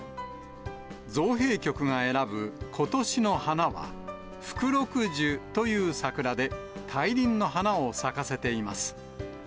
造幣局が選ぶことしの花は、福禄寿という桜で、大輪の花を咲かせています。